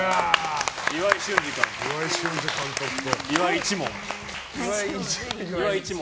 岩井俊二監督と。